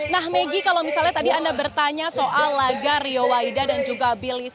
nah maggie kalau misalnya tadi anda bertanya soal laga rio waida dan juga billy